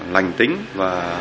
lành tính và